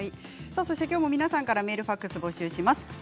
きょうも皆さんからメール、ファックスを募集します。